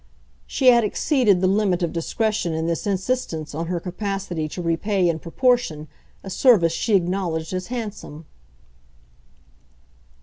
She had exceeded the limit of discretion in this insistence on her capacity to repay in proportion a service she acknowledged as handsome.